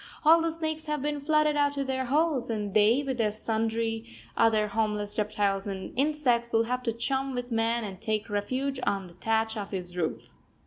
All the snakes have been flooded out of their holes, and they, with sundry other homeless reptiles and insects, will have to chum with man and take refuge on the thatch of his roof.